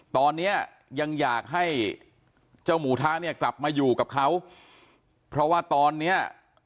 ตอนนี้ยังอยากให้เจ้าหมูทะเนี่ยกลับมาอยู่กับเขาเพราะว่าตอนเนี้ย